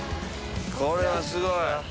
これはすごい！